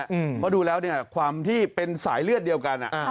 เพราะดูแล้วเนี่ยความที่เป็นสายเลือดเดียวกัน